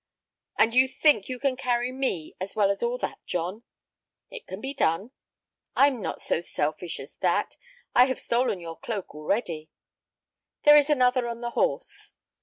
"And you think you can carry me as well as all that, John?" "It can be done." "I am not so selfish as that. I have stolen your cloak already." "There is another on the horse."